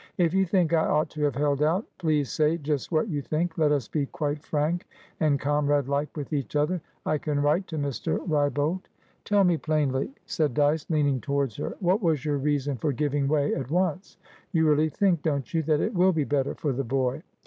"If you think I ought to have held outplease say just what you thinklet us be quite frank and comradelike with each otherI can write to Mr. Wrybolt." "Tell me plainly," said Dyce, leaning towards her. "What was your reason for giving way at once? You really think, don't you, that it will be better for the boy?"